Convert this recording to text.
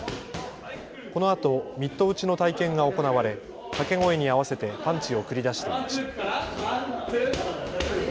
このあとミット打ちの体験が行われ掛け声に合わせてパンチを繰り出していました。